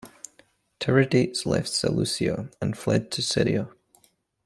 Tiridates left Seleucia and fled to Syria.